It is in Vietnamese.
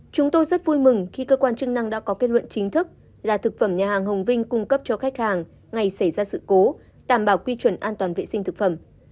chúng tôi rất vui mừng khi cơ quan chức năng đã có kết luận chính thức là thực phẩm nhà hàng hồng vinh cung cấp cho khách hàng ngày xảy ra sự cố đảm bảo quy chuẩn an toàn vệ sinh thực phẩm